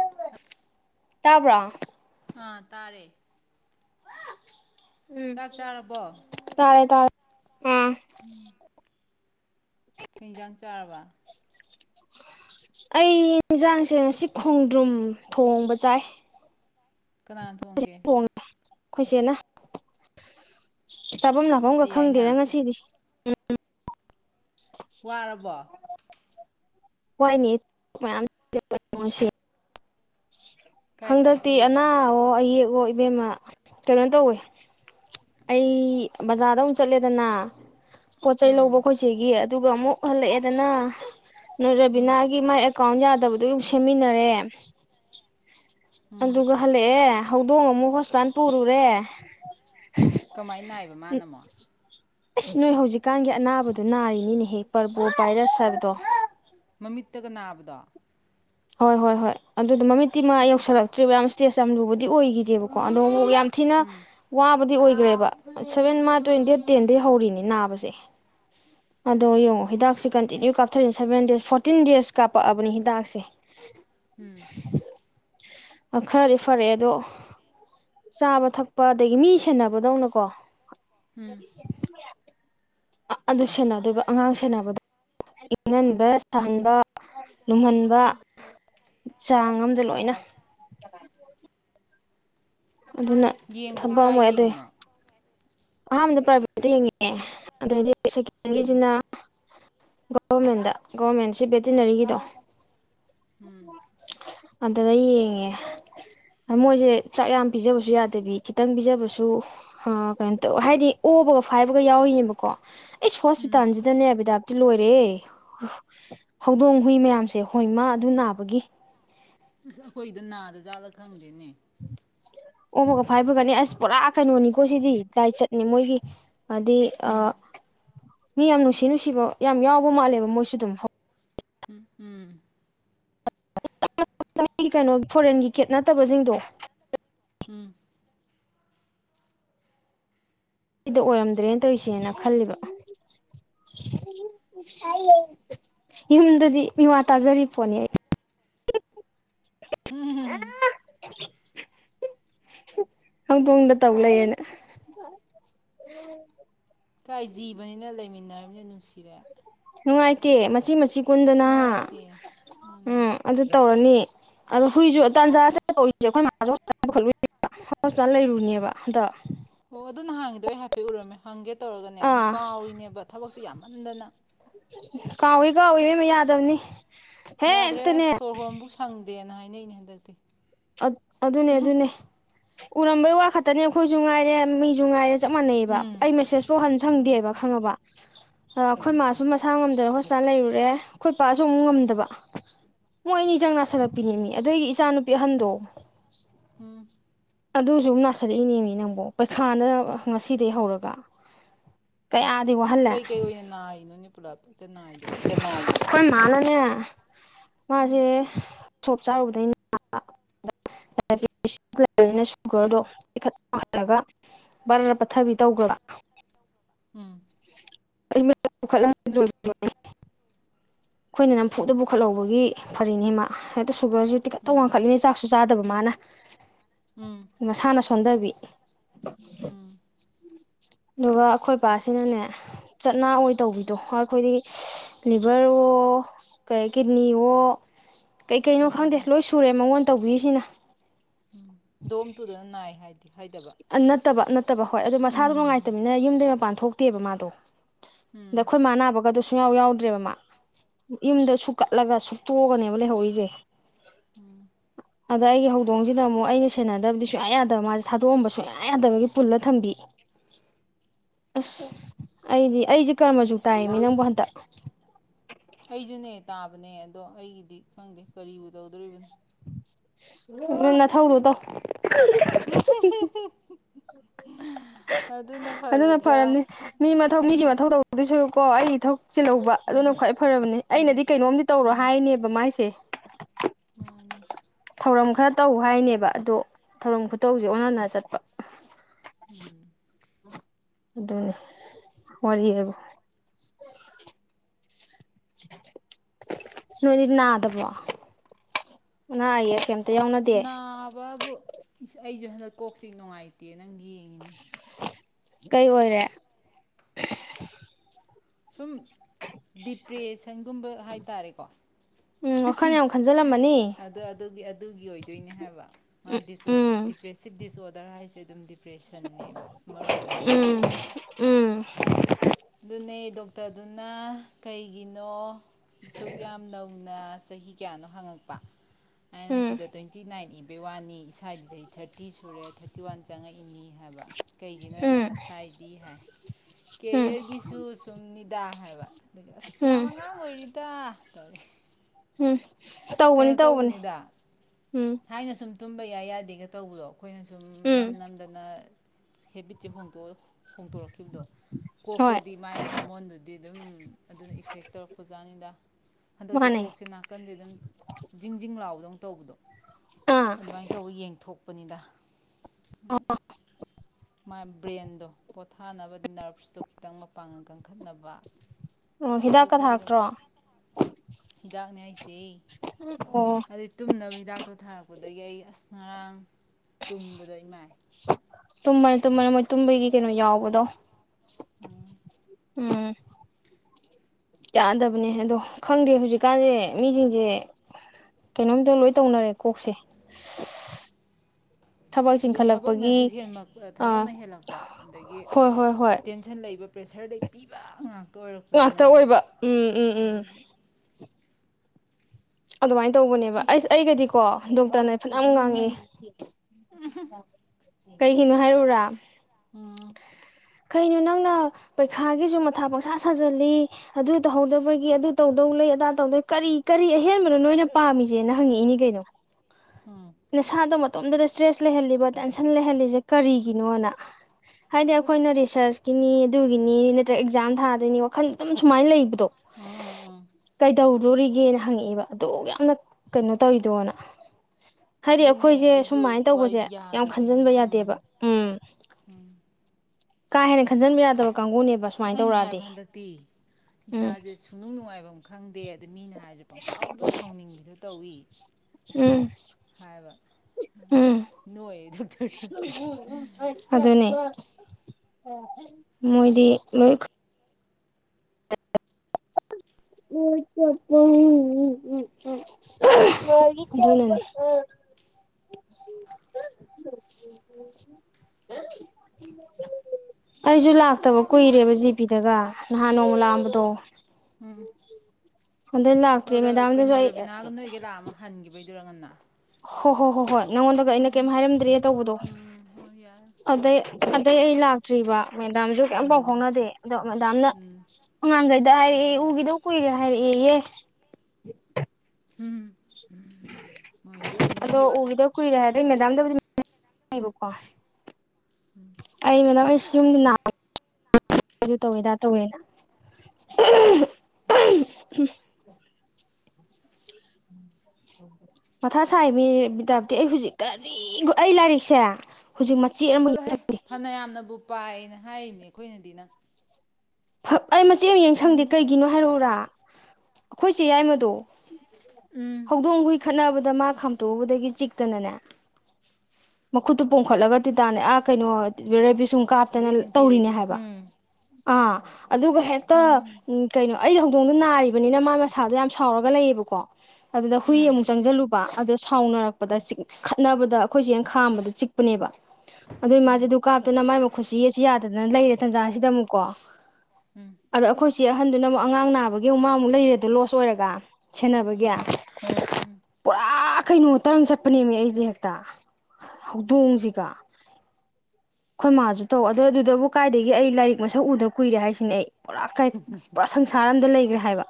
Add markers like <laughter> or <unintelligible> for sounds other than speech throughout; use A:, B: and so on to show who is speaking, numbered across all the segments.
A: <unintelligible>
B: ꯇꯥꯕ꯭ꯔꯣ
A: ꯑꯥ ꯇꯥꯔꯦ
B: ꯎꯝ
A: ꯆꯥꯛ ꯆꯥꯔꯕꯣ
B: ꯇꯥꯔꯦ ꯇꯥꯔꯦ ꯑꯥ
A: <inaudible> ꯀꯩ ꯖꯥꯡ ꯆꯥꯔꯕ
B: ꯑꯩ ꯏꯡꯖꯥꯡꯁꯦ ꯉꯁꯤ ꯈꯤꯡꯗ꯭ꯔꯨꯝ ꯊꯣꯡꯕ ꯆꯥꯢ
A: ꯀꯅꯥꯅ ꯊꯣꯡꯒꯦ
B: ꯑꯩꯈꯣꯏ ꯆꯦꯅ ꯆꯥꯕꯝ ꯂꯥꯛꯐꯝꯒ
A: ꯆꯦ ꯌꯥꯏꯅ
B: ꯈꯪꯗꯦꯗ ꯉꯁꯤꯗꯤ <unintelligible>
A: ꯋꯥꯔꯕꯣ
B: <unintelligible>
A: ꯀꯥꯏ ꯀꯥꯏ
B: ꯍꯪꯗꯛꯇꯤ
A: ꯆꯠꯂꯨꯕ
B: ꯑꯅꯥꯑꯣ ꯑꯌꯦꯛꯑꯣ ꯑꯣ ꯏꯕꯦꯝꯃ ꯀꯩꯅꯣ ꯇꯧꯋꯦ ꯑꯩ ꯕꯥꯖꯥꯔꯗ ꯑꯃꯨꯛ ꯆꯠꯂꯦ ꯗꯅ ꯄꯣꯠ ꯆꯩ
A: ꯎꯝ
B: ꯂꯧꯕ ꯑꯩꯈꯣꯢ ꯆꯦꯒꯤ ꯑꯗꯨꯒ ꯑꯃꯨꯛ ꯍꯟꯂꯛꯑꯦꯗꯅ
A: ꯎꯝ
B: ꯔꯦꯕꯤꯅꯥꯒꯤ ꯃꯥꯏ ꯀꯥ꯭ꯎꯟ ꯌꯥꯗꯕꯗꯨꯒꯤ ꯑꯃꯨꯛ ꯁꯦꯝꯃꯤꯟꯅꯔꯦ
A: ꯎꯝ
B: ꯑꯗꯨꯒ ꯍꯟꯂꯛꯑꯦ ꯍꯧꯗꯣꯡ ꯑꯃꯨꯛ ꯍꯣꯁꯄꯤꯇꯥꯜ ꯄꯨꯔꯨꯔꯦ
A: ꯀꯥꯃꯥꯏ ꯅꯥꯔꯤꯕ ꯃꯥꯅ ꯑꯃꯨꯛ
B: ꯏꯁ ꯅꯣꯏ ꯍꯧꯖꯤꯛꯀꯟꯒꯤ ꯑꯅꯥꯕꯗꯨꯅ ꯅꯥꯔꯤꯅꯤꯅꯦꯍꯦ ꯄꯔꯕꯣꯄꯥꯏꯔꯁ ꯍꯥꯏꯗꯣ
A: ꯃꯤꯠꯇꯥꯒ ꯅꯥꯕꯗꯣ
B: ꯍꯣꯏ-ꯍꯣꯏ-ꯍꯣꯏ ꯑꯗꯨꯗꯣ ꯃꯃꯤꯠ ꯇꯤꯃꯥ ꯌꯧꯁꯤꯟꯂꯛꯇ꯭ꯔꯤꯕ ꯌꯥꯝ ꯆꯦꯁ ꯌꯥꯝ ꯂꯨꯕꯗꯤ ꯑꯣꯏꯒꯤꯗꯦꯕꯀꯣ ꯑꯗꯣ ꯃꯕꯨ ꯌꯥꯝ ꯊꯤꯅ
A: ꯎꯝ
B: ꯋꯥꯕꯗꯤ ꯑꯣꯏ ꯔꯦꯕ ꯁꯕꯦꯟ ꯄꯥ ꯇꯋ꯭ꯌꯦꯟꯇꯤ ꯑꯦꯠ ꯇꯦꯟꯗꯩ ꯍꯧꯔꯤꯅꯦ ꯅꯥꯕꯁꯦ ꯑꯗꯣ ꯌꯦꯡꯉꯨ ꯍꯤꯗꯥꯛꯁꯦ ꯀꯟꯇꯤꯅ꯭ꯌꯨ ꯀꯥꯞꯊꯔꯤ ꯁꯥꯕꯦꯟ ꯗꯦꯁ ꯐꯣꯔꯇꯤꯟ ꯗꯦꯁ ꯀꯥꯞꯄꯑꯕꯅꯦ ꯍꯤꯗꯥꯛꯁꯦ
A: ꯎꯝ
B: <inaudible> ꯈꯔꯗꯤ ꯐꯥꯔꯦ ꯑꯗꯣ ꯆꯥꯕ ꯊꯛꯄ ꯑꯗꯒꯤ ꯃꯤ ꯁꯦꯟꯅꯕꯗꯧꯅꯀꯣ
A: ꯎꯝ
B: ꯑ-ꯑꯗꯨ ꯁꯦꯟꯅꯗꯣꯢꯕ ꯑꯉꯥꯡ ꯁꯦꯟꯅꯕꯗꯧ ꯏꯪꯍꯟꯕ ꯁꯥꯍꯟꯕ ꯂꯨꯝꯍꯟꯕ ꯆꯥꯡ ꯑꯃꯗ ꯂꯣꯏꯅ ꯑꯗꯨꯅ
A: ꯌꯦꯡꯕꯗꯤ
B: ꯊꯕꯛ
A: ꯀꯥꯏ
B: ꯑꯃ <unintelligible>
A: ꯌꯦꯡꯉꯤꯅꯣ
B: ꯑꯍꯥꯟꯕꯗ ꯄ꯭ꯔꯥꯢꯕꯦꯠꯇ ꯌꯦꯡꯉꯦ ꯑꯗꯒꯤ
A: ꯎꯝ
B: ꯁꯦꯀꯦꯟꯒꯤꯖꯤꯅ ꯒꯣꯚꯔꯃꯦꯟꯠꯗ-ꯒꯣꯚꯔꯃꯦꯟꯁꯤ ꯚꯦꯇꯥꯅꯔꯤꯒꯤꯗꯣ
A: ꯎꯝ
B: ꯑꯗꯥ ꯌꯦꯡꯉꯦ ꯃꯣꯏꯁꯦ ꯆꯥꯛ ꯌꯥꯝ ꯄꯤꯖꯕꯁꯨ ꯌꯥꯗꯕꯤ ꯈꯤꯇꯪ ꯄꯤꯖꯕꯁꯨ ꯍꯥꯍ ꯀꯩꯅꯣ ꯇꯧꯋꯦ ꯍꯥꯏꯗꯤ ꯑꯣꯕꯒ ꯐꯥꯏꯕꯒ ꯌꯥꯎꯔꯤꯅꯦꯕꯀꯣ ꯏꯁ
A: ꯎꯝ
B: ꯍꯣꯁꯄꯤꯇꯥꯜꯖꯤꯗꯅꯦ ꯕꯤꯗꯥꯞꯇꯤ ꯂꯣꯢ ꯑꯦꯌ ꯍꯧꯗꯣꯡ ꯍꯨꯏ ꯃꯌꯥꯝꯖꯦ ꯍꯣꯏꯃꯥ ꯑꯗꯨ ꯅꯕꯒꯤ
A: ꯏꯁ ꯑꯩꯈꯣꯌꯗꯣ ꯅꯗ ꯖꯥꯠꯂꯥ ꯈꯪꯗꯦ ꯗꯦꯅꯦ
B: ꯑꯣꯕꯒꯥ ꯐꯥꯏꯕꯒꯅꯦ ꯑꯁ ꯄꯨꯔꯥ ꯀꯩꯅꯤꯀꯣ ꯁꯤꯗꯤ ꯂꯥꯏꯆꯠꯅꯦ ꯃꯣꯏꯒꯤ ꯑꯗꯤ
A: ꯎꯝ
B: ꯑꯥ ꯃꯤꯌꯥꯝ ꯅꯨꯪꯁꯤ ꯅꯨꯪꯁꯤꯕꯥ ꯌꯥꯝ ꯌꯥꯑꯣꯕꯥ ꯃꯥꯜꯂꯦ ꯃꯣꯏꯁꯨ ꯑꯗꯨꯝ
A: <inaudible>
B: ꯆꯍꯤ ꯀꯩꯅꯣ ꯐꯣꯔꯦꯟꯒꯤ ꯀꯦꯞ ꯅꯠꯇꯕꯁꯤꯡꯗꯣ
A: <inaudible>
B: <unintelligible> ꯑꯣꯏꯔꯝꯗꯔ꯭ꯦ ꯇꯧꯏꯁꯦꯅ ꯈꯜꯂꯤꯕꯥ <inaudible> ꯌꯨꯝꯗꯗꯤ ꯃꯤꯋꯥ ꯇꯥꯖꯔꯤꯄꯣꯠꯅꯤ ꯑꯩ
A: ꯍꯨꯝ
B: ꯍꯧꯗꯣꯡꯗ ꯇꯧ ꯂꯩꯌꯦꯅ
A: ꯀꯥꯌ ꯖꯤꯕꯅꯤꯅꯥ ꯂꯩꯃꯤꯟ ꯅꯔꯕꯅꯤꯅꯥ ꯅꯨꯡꯁꯤꯔꯦ
B: ꯅꯨꯪꯉꯥꯏꯇꯦ ꯃꯆꯤ ꯃꯆꯤ ꯀꯨꯟꯗꯅꯥ ꯍꯥ
A: ꯅꯨꯡꯉꯥꯏꯇꯦ ꯃꯥꯅꯦ
B: ꯎꯝ ꯑꯗꯨ ꯇꯧꯔꯥꯅꯤ ꯑꯗꯣ ꯍꯨꯏꯖꯨ ꯇꯟꯖꯁꯤꯗ ꯇꯧꯔꯤꯁꯤ ꯑꯩꯈꯣꯌ ꯃꯁꯨ ꯍꯣꯁꯄ꯭ꯤꯇꯜꯗ ꯄꯨꯈꯠꯂꯨꯏꯅꯦ ꯍꯣꯁꯄ꯭ꯤꯇꯜꯗ ꯂꯩꯔꯨꯏꯅꯦꯕꯥ ꯍꯟꯗꯛ
A: ꯑꯣ ꯑꯗꯣ ꯅꯥꯍꯟꯒꯤꯗꯣ ꯍꯥꯏꯐꯦꯠ ꯎꯔꯝꯃꯦ ꯍꯡꯒꯦ ꯇꯧꯔꯒꯅꯦ ꯑꯃꯨꯛ
B: ꯑꯥ
A: ꯀꯥꯎꯔꯤꯅꯦꯕꯥ ꯊꯕꯛꯁꯦ ꯌꯝꯃꯟꯗꯅ
B: ꯀꯥꯎꯏ ꯀꯥꯎꯏ ꯏꯕꯦꯝꯃꯥ ꯌꯥꯗꯝꯅꯤ
A: ꯌꯥꯗꯔ꯭ꯦ ꯑꯁꯁ ꯁꯣꯔ ꯍꯣꯟꯕꯧ ꯁꯪꯗꯔ꯭ꯦ <unintelligible> ꯍꯥꯏꯅꯩꯅꯦ ꯍꯟꯗꯛꯇꯤ
B: ꯑꯗ ꯑꯗꯨꯨꯅꯦ ꯑꯦꯗꯨꯅꯦ ꯎꯔꯝꯕꯩ ꯋꯥ ꯈꯛꯇꯅꯦ ꯑꯩꯈꯣꯏꯁꯨ ꯉꯥꯏꯔꯦ ꯃꯤꯁꯨ ꯉꯥꯏꯔꯦ ꯆꯞ ꯃꯥꯟꯅꯩꯌꯦꯕꯥ
A: ꯎꯝ
B: ꯑꯩ ꯃꯦꯁꯦꯁ ꯄꯥꯎ ꯍꯟ ꯁꯪꯗꯦ
A: ꯃꯥꯅꯦ
B: ꯈꯪꯉꯕꯥ ꯑ ꯑꯩꯈꯣꯌ
A: ꯎꯝ
B: ꯃꯁꯨ ꯃꯁꯥ ꯉꯝ ꯗ ꯍꯣꯁꯄ꯭ꯤꯇꯜ ꯂꯩꯔꯨꯔꯦ ꯑꯩꯈꯣꯌ ꯄꯥꯁꯨ ꯑꯃꯨꯛ ꯉꯝꯗꯕ ꯃꯣꯏ ꯑꯅꯤ ꯆꯪ ꯅꯥꯁꯜꯂꯛꯄꯤꯅꯦꯃꯤ ꯑꯗꯩꯩ ꯏꯆꯥ ꯅꯨ ꯄꯤ ꯑꯍꯟꯗꯣ
A: ꯎꯝ
B: ꯑꯗꯨꯖꯨ ꯑꯃꯨꯛ ꯅꯥꯁꯤꯜꯂꯛꯏꯅꯦꯃꯤ ꯅꯪꯕꯣ ꯄꯩꯈꯅ ꯉꯁꯤꯗꯩꯩ ꯍꯧꯔꯒꯥ ꯀꯌꯥ
A: ꯀꯩ ꯀꯩ ꯑꯣꯏꯅꯥ ꯅꯥꯔꯤꯅꯣ ꯄꯨꯜꯂꯞ ꯗ ꯅꯥꯏꯗꯨꯕꯣ
B: ꯑꯩꯈꯣꯌ ꯃꯅꯥꯅꯦ
A: ꯎꯝ
B: ꯃꯖꯦ ꯎꯁꯣꯞ ꯆꯔꯨꯕꯗꯩꯩ ꯅꯥꯕꯥ ꯗꯥꯏꯄꯦꯇꯤꯁ ꯁꯨ ꯂꯩꯕꯅꯤꯅꯥ ꯁꯨꯒꯔꯗꯣ ꯋꯥꯪꯈꯠꯂꯒꯥ ꯕꯥꯔ ꯄꯠꯊꯕꯤ ꯇꯧꯈꯔ꯭ꯕ
A: ꯎꯝ
B: <inaudible> ꯑꯈꯣꯏꯅ ꯅꯥꯝꯐꯨꯗ ꯄꯨꯈꯠ ꯐꯧꯕꯒꯤ ꯐꯥꯔꯤꯅꯤ ꯃꯥ ꯑꯗꯨ ꯁꯨ <unintelligible> ꯇꯤꯟꯈꯠ
A: ꯎꯝ
B: ꯋꯥꯡꯈꯠꯂꯤ ꯆꯥꯁꯨ ꯆꯥꯗ ꯕ ꯃꯥꯅ
A: ꯎꯝ
B: ꯅꯥꯁꯅꯥꯁꯨ ꯈꯪꯗꯕꯤ
A: ꯎꯝ
B: <inaudible> <inaudible> ꯑꯗꯨꯒ ꯑꯈꯣꯏ ꯄꯥꯁꯤꯅ ꯆꯠ ꯟ ꯑꯣꯏꯅꯥ ꯇꯧꯕꯤꯗꯨ ꯑꯈꯣꯌꯗꯤ ꯂꯤꯕꯔꯍꯣ ꯀꯩ ꯀꯤꯗꯅꯤ ꯍꯣ ꯀꯩ ꯀꯩꯅꯣ
A: ꯎꯝ ꯎꯝ
B: ꯂꯣꯏꯅ ꯁꯨꯔꯦ ꯃꯉꯣꯟ ꯇꯧꯗꯣꯏꯁꯤꯅ
A: ꯗꯣꯝ ꯇꯨꯗꯨꯅ ꯅꯥꯏ ꯍꯥꯏꯗꯤ ꯍꯥꯏꯗꯕ
B: <unintelligible> ꯅꯥꯇꯕ ꯅꯥꯇꯕ ꯍꯣꯌ ꯃꯁꯥꯗꯣ
A: ꯎꯝ
B: ꯅꯨꯉꯥꯏ ꯇꯔꯥꯕꯅꯤꯅ ꯌꯨꯝꯗꯩꯩ ꯃꯄꯥꯜ ꯊꯣꯛꯇꯕ ꯇꯦꯕ ꯃꯥꯗꯣ
A: ꯎꯝ
B: <inaudible> ꯑꯗꯨ ꯁꯨꯡꯌꯥꯎ ꯌꯨꯗꯦꯕꯥ ꯃꯥ ꯌꯨꯝꯗ ꯁꯨꯛ ꯇꯣꯛ ꯑꯒ ꯁꯨꯛꯀꯠꯂꯒꯥ ꯂꯩꯍꯦꯔꯤꯖꯦ ꯑꯗꯥ ꯑꯩꯒꯤ ꯍꯧꯗꯣꯡꯁꯤꯟ ꯑꯃꯨꯛ ꯑꯩꯅꯥ ꯁꯦꯟꯅꯗꯕ ꯁꯨꯡ ꯌꯥ ꯌꯥꯗꯔ꯭ꯕ <unintelligible> <inaudible> ꯑꯩꯖꯦ ꯀꯦꯔꯃꯥ ꯖꯨꯛ ꯇꯥꯏꯃꯦ ꯅꯥꯪꯕꯨ ꯍꯟꯗꯛ
A: ꯑꯩꯖꯨꯅꯦ ꯇꯕꯅꯦ ꯑꯗꯣ ꯑꯩꯒꯦꯗꯦ ꯈꯪꯗꯦ ꯀꯔꯤꯕꯨ ꯇꯥꯗꯣꯔꯤꯕꯅꯨ
B: ꯃꯊꯧꯗꯣ ꯇꯩ ꯑꯗꯨꯅ ꯐꯔꯕꯅꯤ
A: <unintelligible> ꯎꯝ
B: ꯀꯦ ꯑꯩ ꯆꯤꯂꯧꯕ
A: ꯎ
B: <inaudible>
A: ꯎꯟ
B: ꯑꯗꯨꯅꯤ ꯋꯥꯔꯤ ꯍꯥꯏꯕꯣ ꯅꯧꯗꯤ ꯅꯥꯗꯔ꯭ꯕꯣ ꯑꯅꯥ ꯑꯌꯦꯛ ꯀꯦꯏꯝꯠ
A: ꯅꯕꯥꯕꯨ ꯑꯩꯁꯨ ꯍꯟꯗꯛ ꯀꯣꯛꯁꯦ ꯅꯨꯪꯉꯥꯏꯇꯦꯟ ꯌꯦꯪꯏꯅꯦ
B: ꯀꯩ ꯑꯣꯏꯔꯦ
A: ꯁꯨꯝ ꯗꯦꯄꯔꯦꯁꯁꯤꯑꯣꯟ ꯒꯨꯝꯕ ꯍꯥꯏꯇꯥꯔꯦ
B: ꯎꯝ ꯋꯥꯈꯜ
A: ꯎꯍꯨꯝ
B: ꯌꯥꯝ ꯈꯟꯖꯜꯂꯝꯃꯅꯤ
A: ꯑꯥ ꯑꯗꯨ ꯑꯗꯨꯒꯤ ꯑꯣꯏꯗꯣꯏꯅꯤ ꯍꯥꯏꯕ ꯃꯥꯗꯣ
B: ꯎꯝ
A: ꯗꯤꯁꯥꯑꯣꯔꯗꯦꯔ ꯗꯦꯄꯔꯦꯁꯁꯤꯚꯦ ꯗꯤꯁꯣꯔꯗꯦꯔ ꯍꯨꯖ ꯎꯗꯤ ꯗꯦꯄꯔꯦꯁꯎꯟ ꯅꯦꯕ ꯑꯃ ꯔꯣꯝꯗ ꯍꯥꯏꯔꯒꯗꯤ
B: ꯎꯝ ꯎꯝ
A: ꯑꯗꯨꯅꯤ ꯗꯣꯇꯣꯔ ꯑꯗꯨꯅ ꯀꯩꯒꯤꯅꯣ ꯑꯁꯨꯛ ꯌꯥꯝ ꯅꯧꯅꯥ ꯃꯤ ꯀꯌꯥꯒꯤ ꯍꯪꯂꯛꯄ ꯑꯩꯅꯥ
B: ꯎꯝ
A: ꯁꯤꯗꯥ ꯇꯤꯟꯠꯌꯅꯤꯅꯦ ꯋ꯭ꯅꯤ ꯑꯦꯁꯥꯒꯤ ꯆꯍꯤ ꯊꯤꯔꯇꯌ ꯁꯨꯔꯦ ꯊꯤꯔꯇꯌꯣꯅꯦ ꯆꯪꯂꯛꯏꯅꯦ ꯍꯥꯏꯕ ꯀꯩꯒꯤꯅꯣ ꯃꯊꯥꯁꯥꯏꯗꯤ
B: ꯎꯝ ꯎꯝ
A: ꯀꯃꯤꯌꯦꯔ ꯏꯁꯨ ꯁꯨꯡꯏꯗ ꯆꯨꯡꯏꯗ ꯍꯥꯏꯕ ꯑꯁ
B: ꯎꯝ
A: ꯌꯥꯝ ꯑꯉꯥꯡ ꯑꯣꯏꯔꯤꯗ ꯀꯟ
B: ꯍꯝ
A: ꯀꯩꯅꯣ ꯇꯧꯕꯅꯤꯗ
B: ꯎꯝ
A: ꯊꯥꯏꯅꯥ ꯁꯨꯝ ꯌꯥꯏ ꯌꯥꯏꯗꯦ ꯇꯦꯒ ꯇꯧꯕꯗꯣ ꯑꯩꯈꯣꯏꯅ ꯁꯨꯝ
B: ꯎꯝ
A: ꯁꯨꯝ ꯅꯝꯗꯅ ꯍꯥꯕꯤꯠ ꯍꯣꯡꯇꯣ ꯍꯣꯪꯇꯣꯀꯠꯈꯤꯕꯗꯣ
B: ꯍꯣꯏ
A: ꯀꯣꯛꯇꯗꯤ ꯃꯥꯏ ꯍꯣꯔꯃꯣꯅꯦꯁ ꯗꯨꯗꯤ ꯑꯗꯨꯝ ꯑꯦꯗꯔ꯭ꯦꯠ ꯇꯧꯔꯀꯄ ꯖꯠꯅꯤꯗ ꯍꯟꯗꯛꯇꯤ
B: ꯃꯥꯅꯦ
A: ꯀꯣꯁꯤ ꯅꯥꯀꯟ ꯑꯗꯨꯝ ꯖꯤꯡ ꯖꯤꯡ ꯑꯥ ꯇꯧꯕꯗꯣ
B: ꯑꯥ
A: ꯑꯗꯨꯃꯥꯏ ꯇꯥꯑꯣꯕꯗꯣ ꯍꯦꯊꯣꯛ ꯑꯅꯤꯗ ꯑꯝ ꯃꯥꯏ ꯕꯔ꯭ꯥꯏꯟ ꯗꯣ ꯄꯣꯊꯥꯅꯕ ꯅꯦꯔꯕꯧꯁ ꯈꯤꯇꯥꯡ ꯃꯄꯥꯒꯜ ꯀꯪꯈꯠꯅꯕ
B: ꯑꯣ
A: ꯑꯗꯨ
B: ꯍꯤꯗꯥꯛꯀ
A: ꯈꯔꯒꯥ
B: ꯊꯥꯔꯛꯇ꯭ꯔꯣ
A: ꯏꯔꯛꯄ ꯍꯤꯗꯛꯅꯦ ꯍꯥꯏꯁꯦ
B: ꯑꯣ
A: ꯑꯗꯨ ꯇꯨꯝꯅꯕ ꯍꯤꯗꯥꯛ ꯊꯔꯛꯄꯗꯒꯤ ꯑꯩ ꯑꯁ ꯑꯥꯝ ꯇꯨꯝꯕꯗ ꯏꯃꯥꯏ
B: ꯇꯨꯝꯕꯅꯦ ꯇꯨꯃꯕꯅꯦ ꯇꯨꯝꯕꯒꯤ ꯀꯅꯣ ꯌꯥꯎꯕꯗꯣ ꯇꯨ ꯑꯝ ꯌꯥꯗꯕꯅꯦ ꯑꯗꯣ ꯈꯡꯗꯦ ꯍꯧꯖꯤꯛ ꯀꯟꯁꯥ ꯃꯤ ꯁꯤꯟꯁꯦ ꯀꯩꯅꯣꯝ ꯂꯣꯏ ꯇꯧꯅꯔꯦ ꯀꯣꯛꯁꯦ ꯁꯁꯏ
A: ꯊꯕꯛꯅꯁꯨ ꯍꯦꯜꯂꯛ
B: ꯑꯥ
A: ꯍꯦꯜꯂꯛꯄ ꯑꯥ ꯑꯗꯥꯒꯤ
B: ꯍꯣꯏ ꯍꯣꯏ ꯍꯣꯏ
A: ꯇꯦꯟꯁꯤꯑꯣꯟ ꯄꯔꯦꯁꯁꯨꯔꯦꯕ ꯄꯤꯕ
B: ꯑꯗꯨ ꯉꯥꯛꯇ
A: ꯑꯣꯏꯔꯛꯄꯅꯤꯅꯅꯦ
B: ꯑꯣꯏꯕ ꯑꯝ ꯑꯝ
A: ꯑꯗꯨꯒꯤ
B: ꯑꯗꯨꯃꯥꯏꯅ ꯇꯧꯕꯅꯦꯕꯥ ꯑꯥꯁ ꯑꯩꯒꯗꯤꯀꯣ ꯗꯣꯛꯇꯔꯅꯥ ꯐꯅꯥꯌꯝ ꯉꯥꯪꯉꯛꯑꯦ
A: <inaudible>
B: ꯀꯩꯒꯤꯅꯣ ꯍꯥꯏꯔꯛꯎꯔꯥ
A: <inaudible>
B: ꯀꯩꯅꯣ ꯅꯪꯅ ꯄꯩꯈꯥꯒꯤꯁꯨ ꯃꯊꯥ ꯄꯟꯁꯥ ꯁꯖꯤꯜꯂꯤ ꯑꯗꯨ ꯇꯧꯍꯧꯗꯕꯒꯤ ꯑꯗꯨ ꯇꯧꯗꯧ ꯂꯩ ꯑꯗꯥ ꯇꯧꯗꯣꯏ ꯂꯩ ꯀꯔꯤ ꯀꯔꯤ ꯑꯍꯦꯟꯕ ꯀꯔꯤ ꯑꯍꯦꯟꯕꯅꯣ ꯅꯣꯏꯅꯥ ꯄꯝꯃꯤꯖꯦꯅꯥ ꯍꯪꯉꯛꯏꯅꯦ ꯀꯩꯅꯣ
A: ꯎꯝ ꯎꯝ
B: ꯅꯥꯁꯥꯗꯣ ꯃꯥ ꯇꯣꯝꯇꯗ ꯁꯇ꯭ꯔ꯭ꯦꯁ ꯂꯩꯍꯜꯂꯤꯕ ꯇꯦꯟꯁꯟ ꯂꯩꯍꯜꯂꯤꯖꯦ ꯀꯔꯤꯒꯤꯅꯣꯅꯥ ꯍꯥꯏꯗꯤ ꯑꯩꯈꯣꯌꯅꯥ ꯔꯤꯁꯥꯔꯁꯀꯤꯅꯤ ꯑꯗꯨꯒꯤꯅꯦ ꯅꯠꯇꯔꯒꯥ ꯑꯦꯛꯌꯥꯝ ꯊꯗꯣꯏꯅꯤ ꯋꯥꯈꯜꯁꯤ ꯑꯗꯨꯝ ꯁꯨꯃꯥꯏ ꯂꯩꯕꯥ ꯗꯣ
A: ꯎꯝ ꯎꯝ
B: ꯀꯩꯗꯧ ꯗꯣꯔꯤꯒꯦꯅꯥ ꯍꯪꯉꯛꯏꯕ ꯑꯗꯨꯛ ꯌꯥꯝꯅꯥ ꯀꯩ ꯅꯣ ꯇꯧꯏꯗꯣꯅꯥ ꯍꯥꯏꯗꯤ
A: ꯑꯗꯨꯅꯦ
B: ꯑꯩꯈꯣꯌꯖꯦ
A: ꯑꯩꯁꯨ
B: ꯁꯨꯃꯥꯏ
A: ꯋꯥꯔꯤ
B: ꯇꯧꯕꯁꯦ ꯌꯥꯝ ꯈꯟꯖꯟꯕ
A: ꯌꯥꯗꯕꯩꯅꯦꯕ ꯎꯝ
B: ꯌꯗꯦꯕꯥ ꯍꯝ ꯀꯥ ꯍꯦꯟꯅꯥ ꯈꯟꯖꯟꯕ ꯌꯥꯗꯕꯥ
A: ꯑꯩꯅꯥ ꯍꯥꯌꯕꯥ ꯍꯟꯗꯛꯇꯤ
B: ꯎꯝ
A: ꯏꯁꯥꯖꯦ ꯁꯨꯛꯅꯨꯪ ꯅꯨꯪꯉꯥꯏꯕꯝ ꯈꯪꯗꯦ ꯃꯤꯅꯥ ꯖꯦ ꯄꯥꯪꯁꯥꯑꯣꯗ ꯁꯥꯑꯣꯅꯤꯪꯕꯤꯗꯨꯅꯦ ꯇꯧꯏ
B: ꯎꯝ
A: ꯍꯥꯏꯕꯥ
B: ꯎꯝ
A: ꯅꯣꯛꯏꯑꯦ ꯗꯣꯛꯇꯔꯗꯣ
B: ꯑꯗꯨꯅꯦ ꯃꯣꯏꯗꯤ ꯂꯣꯏ <inaudible> <unintelligible> ꯑꯗꯨꯅꯗꯤ <inaudible> ꯑꯩ ꯖꯨ ꯂꯥꯛꯇꯕ ꯀꯨꯏꯔꯦ ꯖꯤ ꯄꯤ ꯗꯒꯥ ꯅꯍꯥꯟ ꯅꯣꯡꯃꯥ ꯂꯥꯛꯑꯝꯕꯗꯣ
A: <inaudible>
B: ꯑꯗꯩ ꯂꯥꯛꯇ꯭ꯔꯦ
A: <unintelligible>
B: ꯃꯦꯗꯥꯝꯗꯁꯨ
A: ꯀꯩꯅꯣ
B: ꯑꯩ
A: ꯔꯕꯤꯅꯒ ꯅꯣꯏꯒꯩ ꯂꯥꯛ ꯑꯃꯝꯃꯒꯥ ꯍꯟꯒꯤꯕꯩꯗꯨꯔꯣ ꯉꯟꯅꯥ
B: ꯍꯣ ꯍꯣ ꯍꯣ ꯍꯣꯏ ꯅꯪꯡꯑꯣꯟꯗꯒꯥ ꯑꯩꯅꯥ ꯀꯩꯝ ꯍꯥꯏꯔꯝꯗꯔ꯭ꯦ ꯇꯧꯕꯗꯣ
A: ꯎꯝ ꯍꯣꯏ ꯌꯥꯔꯦ
B: ꯑꯥꯗꯩ ꯑꯗꯩꯩ ꯑꯩ ꯂꯥꯛꯇꯔꯤꯑꯦꯕꯥ ꯃꯦꯗꯝꯖꯨ ꯀꯦꯏꯝꯄꯥꯎ
A: ꯎꯝ
B: ꯐꯥꯑꯣꯅꯗꯦ ꯑꯗꯣ ꯃꯦꯗꯝꯅ
A: ꯎꯝ
B: ꯑꯉꯥꯡꯒꯩ ꯇꯥ ꯍꯥꯏꯔꯛꯑꯦ ꯎꯒꯤꯗ ꯀꯨꯏꯔꯦ ꯍꯥꯏꯔꯛꯑꯦꯌꯦ
A: ꯎꯝ ꯃꯣꯏꯗꯤ
B: ꯑꯗꯣ
A: ꯎꯅꯤꯡꯉꯤꯕ
B: ꯎꯒꯤꯗꯥ ꯀꯨꯏꯔꯦ ꯍꯥꯏꯔꯛ <unintelligible> ꯃꯦꯗꯝꯗꯕꯨꯗꯤ <inaudible> ꯑꯩ ꯃꯦꯗꯝ ꯑꯩꯁ ꯌꯨꯝꯗ ꯅꯥ <unintelligible> ꯑꯗꯨ ꯇꯧꯌꯦ ꯑꯦꯗꯥ ꯇꯧꯑꯦꯅ ꯑꯥꯍꯥꯝ <inaudible> ꯃꯊꯥ ꯁꯥꯏꯌꯦꯃꯤ ꯕꯤꯗꯌꯥꯄꯇꯤ ꯑꯩ ꯍꯧꯖꯤꯛ ꯀꯔꯤ ꯑꯩ ꯂꯥꯏꯔꯤꯛꯁꯦ ꯍꯧꯖꯤꯛ ꯃꯆꯦꯠ ꯑꯃ
A: ꯆꯠꯂꯣꯍꯦ ꯐꯅꯥꯌꯥꯝꯅꯕꯨ ꯄꯥꯏꯌꯦ ꯅꯪ ꯍꯥꯏꯔꯤꯅꯦ ꯑꯩꯈꯣꯏꯅꯗꯤ ꯅꯪ
B: <unintelligible> ꯑꯩ ꯃꯆꯦꯠ ꯑꯃꯥ
A: ꯅꯪ
B: ꯌꯦꯡꯁꯡꯗꯦ ꯀꯩꯒꯤꯅꯣ ꯍꯥꯏꯔꯛꯎꯔꯥ ꯑꯩꯈꯣꯏ ꯆꯦ ꯌꯥꯏꯃꯗꯣ
A: ꯎꯝ
B: ꯍꯧꯗꯣꯡ ꯍꯨꯏ ꯈꯠꯅꯕꯗ ꯃꯥ ꯈꯥꯝꯇꯣꯛꯎꯕꯗꯒꯤ ꯆꯤꯛꯇꯅꯅꯦ ꯃꯈꯨꯠꯇꯣ ꯄꯣꯝꯈꯠꯂꯒ ꯇꯤꯇꯥꯟ ꯑꯥ ꯀꯩꯅꯣ <unintelligible> ꯀꯥꯞꯇꯅ
A: ꯑꯦꯟꯇꯤ
B: ꯇꯧꯔꯤꯅꯦ
A: ꯔꯦꯕꯤꯁ
B: ꯍꯥꯏꯕ꯫
A: ꯎꯝ
B: ꯑꯥ <unintelligible> ꯑꯗꯨꯒ ꯍꯦꯛꯇ ꯎꯝ ꯀꯩꯅꯣ ꯑꯩ ꯍꯧꯗꯣꯡꯗꯣ ꯅꯥꯔꯤꯕꯅꯤꯅ ꯃꯥ ꯃꯁꯥꯗꯣ ꯌꯥꯝ ꯁꯥꯎꯔꯒ ꯂꯩꯌꯦꯕꯀꯣ ꯑꯗꯨꯗ ꯍꯨꯢ
A: ꯎꯝ
B: ꯑꯃꯨꯛ ꯆꯪꯖꯜꯂꯨꯕ ꯑꯗ ꯁꯥꯎꯅꯔꯛꯄꯗ ꯆꯤꯛ ꯈꯠꯅꯕ ꯗ ꯑꯩꯈꯣꯏ ꯆꯦꯅ ꯈꯥꯝꯕꯗ ꯆꯤꯛꯄꯅꯦꯕ꯫ ꯑꯗꯣ ꯃꯥꯖꯦ
A: ꯎꯝ
B: ꯑꯗꯨ ꯀꯥꯞꯇꯅ ꯃꯥꯢ ꯃ ꯈꯨꯠ ꯌꯦꯠꯁꯤ ꯌꯥꯗꯗꯅ ꯂꯩꯔꯦ ꯇꯟꯖꯥꯁꯤꯗ ꯑꯃꯨꯛ ꯀꯣ
A: ꯎꯝ
B: ꯑꯗ ꯑꯩꯈꯣꯏ ꯆꯦ ꯑꯍꯟꯗꯨꯅ ꯑꯃꯨꯛ ꯑꯉꯥꯡ ꯅꯥꯕꯒꯤ ꯃꯥ ꯑꯃꯨꯛ ꯂꯩꯔꯦꯗꯣ ꯂꯣꯁ ꯑꯣꯏꯔꯒ ꯁꯦꯟꯅꯕꯒꯤ
A: ꯎꯝ
B: ꯄꯨꯔꯥ ꯀꯩꯅꯣ ꯇꯔꯪ ꯆꯠꯄꯅꯦꯃꯤ ꯑꯩꯗꯤ ꯍꯦꯛꯇ ꯍꯧꯗꯣꯡꯖꯤꯒ ꯈꯣꯏ ꯃꯥꯖꯨ ꯇꯧ ꯑꯗꯨ ꯑꯗꯨꯗꯕꯨ ꯀꯥꯏꯗꯒꯤ ꯑꯩ ꯂꯥꯏꯔꯤꯛ ꯃꯁꯛ ꯎꯗꯣꯢ ꯀꯨꯏꯔꯦ ꯍꯥꯏꯁꯤꯅꯤ ꯑꯩ꯫ ꯄꯨꯔ ꯀꯩ ꯄꯨꯔꯥ ꯁꯪꯁꯥꯔ ꯑꯃꯗ ꯂꯩ <unintelligible> ꯍꯥꯢꯕ꯫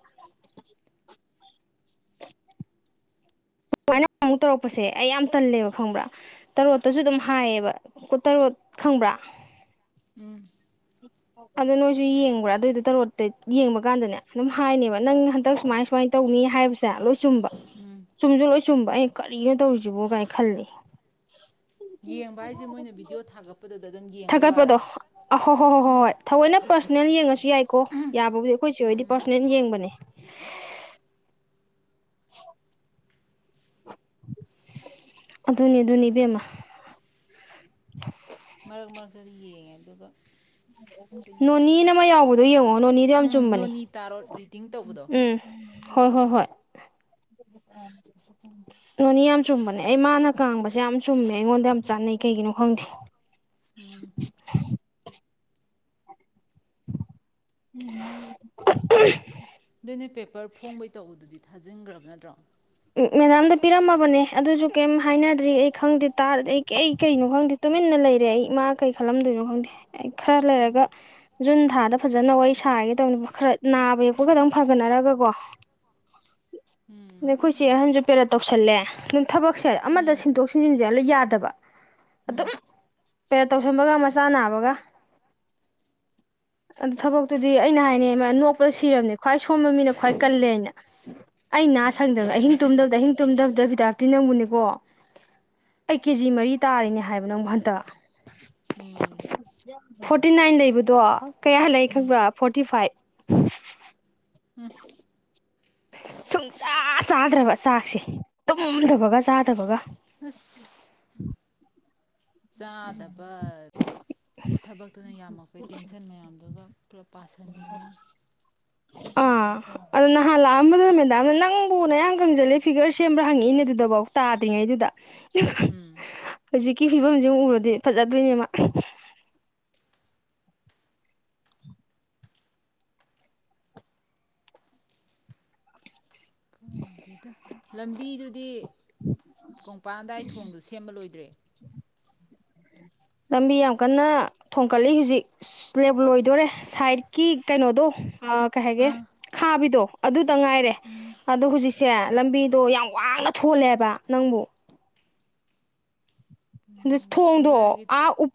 B: ꯑꯁꯨꯃꯥꯏꯅ ꯑꯃꯨꯛ ꯇꯧꯔꯛꯄꯁꯦ ꯑꯩ ꯌꯥꯝ ꯇꯜꯂꯦꯕ ꯈꯪꯕ꯭ꯔꯥꯀ ꯇꯔꯣꯠꯇꯁꯨ ꯑꯗꯨꯝ ꯍꯥꯏꯌꯦꯕ ꯇꯔꯣꯠ ꯈꯪꯕ꯭ꯔꯥ꯫
A: ꯎꯝ꯫
B: ꯑꯗꯨ ꯅꯣꯏꯖꯨ ꯌꯦꯡꯕ꯭ꯔꯥ ꯑꯗꯨꯢꯗ ꯇꯔꯣꯠ ꯌꯦꯡꯕꯀꯥꯟꯗꯅꯦ ꯑꯗꯨꯝ ꯍꯥꯢꯅꯦꯕ ꯅꯪ ꯍꯟꯗꯛ ꯁꯨꯃꯥꯏ ꯁꯨꯃꯥꯏ ꯍꯥꯏꯕꯁꯦ ꯂꯣꯢ ꯆꯨꯝꯕ
A: ꯎꯝ
B: ꯆꯨꯝꯖꯨ ꯂꯣꯢ ꯆꯨꯝꯕ ꯑꯩꯅ ꯀꯔꯤꯅꯣ ꯇꯧꯔꯤꯖꯤꯕꯣ ꯀꯥꯏꯅ ꯈꯜꯂꯦ꯫
A: ꯌꯦꯡꯕ ꯍꯥꯏꯁꯦ ꯃꯣꯏꯅ ꯚꯤꯗꯤꯑꯣ ꯊꯥꯒꯠꯄꯗꯨꯗ ꯑꯗꯨꯝ
B: <unintelligible>
A: ꯌꯦꯡꯕꯩ ꯋꯥꯔꯥ
B: ꯊꯥꯒꯠꯄꯗꯣ ꯑꯍꯣ ꯍꯣ ꯍꯣꯏ ꯊꯑꯣꯏꯅ ꯄ꯭ꯔꯁ ꯅꯦꯜ ꯌꯦꯡꯉ ꯌꯥꯏꯀꯣ ꯌꯥꯕꯕꯨꯗꯤ ꯑꯩꯈꯣꯏ ꯆꯦ ꯍꯣꯏꯗꯤ
A: ꯎꯝ
B: ꯄꯔꯁꯅ‌ꯦꯜ ꯌꯦꯡꯕꯅꯦ꯫ <unintelligible> ꯑꯗꯨꯅꯦ ꯑꯗꯨꯅꯦ ꯏꯕꯦꯝꯃꯥ꯫
A: ꯃꯔꯛ ꯃꯔꯛꯇꯗꯤ ꯌꯦꯡꯉꯦ ꯑꯗꯨꯒ ꯀꯩꯅꯣꯗꯤ
B: ꯅꯣꯅꯤ ꯅ
A: ꯇꯧꯗꯦ
B: ꯑꯃ ꯌꯥꯎꯕꯗꯣ ꯌꯦꯡꯉꯣ ꯅꯣꯅꯤꯗꯣ ꯌꯥꯝ
A: ꯎꯝ
B: ꯆꯨꯝꯕꯅꯦ
A: ꯅꯣꯅꯤ ꯇꯥꯔꯣ ꯔꯤꯗꯤꯡ ꯇꯧꯕꯗꯣ
B: ꯎꯝ꯫ ꯍꯣꯏ ꯍꯣꯏ ꯍꯣꯏ ꯅꯣꯅꯤ ꯌꯥꯝ ꯆꯨꯝꯕꯅꯦ ꯑꯩ ꯃꯥꯅ ꯉꯥꯡꯕꯁꯦ ꯌꯥꯝ ꯆꯨꯝꯃꯦ ꯑꯩꯉꯣꯟꯗ ꯌꯥꯝ ꯆꯥꯟꯅꯩ ꯀꯩꯒꯤꯅꯣ ꯈꯪꯗꯦ꯫
A: ꯎꯝ
B: <inaudible>
A: ꯑꯗꯨꯅꯤ ꯄꯦ ꯄꯔ ꯐꯣꯡꯕꯩ ꯇꯧꯔꯤꯗꯨꯗꯤ ꯊꯥꯖꯤꯟ ꯈꯔꯕ ꯅꯠꯇ꯭ꯔꯣ
B: ꯑꯦ ꯑꯦꯗꯥꯝꯗ ꯄꯤꯔꯝ ꯃꯥꯕꯅꯦ ꯑꯗꯨꯁꯨ ꯀꯔꯤꯝ ꯍꯥꯏꯅꯗ꯭ꯔꯤ ꯑꯩ ꯈꯪꯗꯦ ꯇꯥꯔꯗꯤ ꯑꯩ ꯑꯩ ꯀꯩꯅꯣ ꯈꯪꯗꯦ ꯇꯨꯃꯤꯟꯅ ꯂꯩꯔꯦ ꯑꯩ ꯃꯥ ꯀꯩꯈꯜꯂꯝꯗꯣꯏꯅꯣ ꯈꯪꯗꯦ ꯈꯔ ꯂꯩꯔꯒ ꯖꯨꯟ ꯊꯥꯗ ꯐꯥꯖꯟꯅ ꯋꯥꯔꯤ ꯁꯥꯔꯒꯦ ꯇꯧꯅꯦ ꯈꯔ ꯅꯥꯕ ꯌꯦꯛꯄ ꯈꯔ ꯐꯒꯠꯅꯔꯒ ꯀꯣ
A: ꯎꯝ
B: ꯑꯩꯈꯣꯏ ꯆꯦ ꯑꯍꯟꯁꯨ ꯄꯦꯔꯠ ꯇꯧꯁꯟꯂꯦ ꯊꯕꯛꯁꯦ ꯑꯃꯗ
A: ꯎꯝ
B: ꯁꯤꯟꯗꯣꯛ ꯁꯣꯟꯖꯤꯟꯁꯦ ꯌꯥꯗꯕ ꯑꯗꯨꯝ
A: ꯎꯝ
B: ꯄꯦꯔꯠ ꯇꯧꯁꯤꯟꯕꯒ ꯃꯆꯥ ꯅꯥꯕꯒ ꯊꯕꯛꯇꯨꯗꯤ ꯑꯩꯅ ꯍꯥꯏꯅꯤ ꯃꯥ ꯅꯣꯛꯄꯗ ꯁꯤꯔꯕꯅꯤ ꯈ꯭ꯋꯥꯏ ꯁꯣꯟꯕ ꯃꯤꯅ ꯈꯋꯥꯏ ꯀꯟꯂꯦꯅ ꯑꯩ ꯅ ꯁꯪꯗꯔꯕꯅꯦ
A: ꯃꯥꯅꯦ
B: ꯑꯍꯤꯡ ꯇꯨꯝꯗꯕꯗ ꯑꯍꯤꯡ ꯇꯨꯝꯗꯕꯗ ꯕꯤꯗ꯭ꯌꯥꯄꯥꯇꯤ ꯅꯪꯕꯨꯅꯦꯀꯣ ꯑꯩ ꯀꯦꯖꯤ ꯃꯔꯤ ꯇꯥꯏꯅꯦ ꯍꯥꯏꯕ ꯅꯪꯕꯣ ꯍꯟꯗꯛ
A: ꯎꯝ
B: ꯐꯣꯔꯇꯤ ꯅꯥꯏꯟ ꯂꯩꯕꯗꯣ ꯀꯌꯥ ꯂꯩ ꯈꯪꯕꯔ ꯐꯣꯔꯇꯤ ꯐꯥꯏꯞ <inaudible>
A: ꯎꯝ
B: <inaudible> ꯁꯨꯡꯆꯥ ꯆꯥꯗ꯭ꯔꯕ ꯆꯥꯛꯁꯦ ꯇꯨꯝꯗꯕꯒ ꯆꯥꯗꯕꯒ
A: <inaudible> ꯆꯥꯗꯕ ꯊꯕꯛꯇꯨꯅ ꯌꯥꯝꯃꯛꯄꯩ ꯇꯦꯟꯁꯟ ꯃꯌꯥꯝꯗꯨꯒ ꯇꯦꯟ ꯄꯔꯁꯦꯟꯅꯤꯅꯦ
B: ꯑ ꯑꯗꯨ ꯅꯍꯥꯟ ꯂꯛ ꯑꯝꯕꯗꯨꯗ ꯃꯦꯗꯥꯝꯅ ꯅꯪꯕꯨ ꯅꯌꯥꯡ ꯀꯪꯁꯤꯜꯂꯦ ꯐꯤꯒꯔ ꯁꯦꯝꯕꯔꯅ ꯍꯪꯂꯛꯏꯅꯦ ꯑꯗꯨꯗꯐꯥꯎ ꯇꯥꯗꯔꯤ ꯉꯩꯗꯨꯗ
A: ꯎꯝ
B: ꯍꯧꯖꯤꯛ ꯀꯤ ꯐꯤꯕꯝꯁꯤ ꯎꯔꯗꯤ ꯐꯥꯖꯗꯣꯏꯅꯤ ꯃꯥ
A: ꯈꯪꯗ‌‌ꯦꯗ ꯂꯝꯕꯤꯗꯨꯗꯤ ꯀꯣꯡꯄꯥꯟ ꯑꯗꯥꯏ ꯊꯣꯡꯗꯨ ꯁꯦꯝꯕ ꯂꯣꯏꯗꯔꯤ
B: ꯂꯝꯕꯤ ꯌꯥꯝ ꯀꯥꯟꯅ ꯊꯣꯡꯀꯠꯂꯤ ꯍꯧꯖꯤꯛ ꯏꯁ ꯂꯣꯢꯕꯨ ꯂꯣꯏꯗꯧꯔꯦ
A: ꯑꯁ
B: ꯁꯥꯠꯇ ꯀꯤ ꯀꯩꯅꯣꯗꯣ ꯎꯝ ꯀꯩ ꯍꯥꯏꯒꯦ
A: ꯑꯥ
B: ꯈꯥꯕꯤꯗꯣ ꯑꯗꯨ ꯉꯥꯏꯔꯦ ꯑꯗꯣ ꯍꯧꯖꯤꯛꯁꯦ
A: ꯂꯛ
B: ꯂꯝꯕꯤꯗꯣ ꯌꯥꯝ ꯋꯥꯡꯅ ꯊꯣꯜꯂꯦꯕ ꯅꯪꯕꯣ
A: ꯎꯝ
B: ꯊꯣꯡꯗꯣ
A: ꯂꯛꯁꯃꯤꯕꯥꯏꯒꯤ
B: ꯑ ꯎꯕꯛ